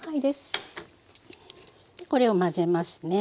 でこれを混ぜますね。